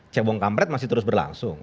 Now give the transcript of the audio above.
cekbong kampret masih terus berlangsung